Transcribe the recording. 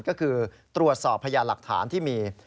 ก็คือตรวจสอบพยานหลักฐานที่มี